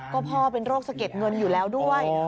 ก็พ่อเป็นโรคสะเก็ดเงินอยู่แล้วด้วย